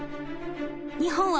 日本は